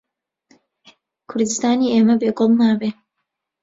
کوردستانی ئێمە بێ گوڵ نابێ